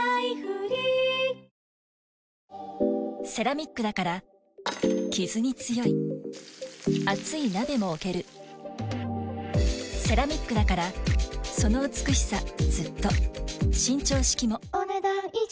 セラミックだからキズに強い熱い鍋も置けるセラミックだからその美しさずっと伸長式もお、ねだん以上。